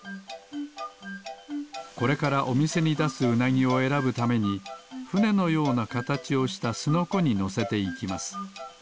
これからおみせにだすウナギをえらぶためにふねのようなかたちをしたスノコにのせていきます。